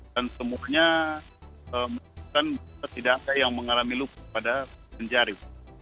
dan semuanya menunjukkan bahwa tidak ada yang mengalami luput pada jari